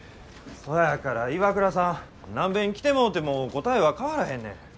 そやから岩倉さん何べん来てもうても答えは変わらへんねん。